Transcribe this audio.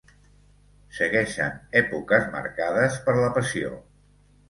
Segueixen èpoques marcades per la passió.